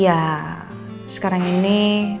ya sekarang ini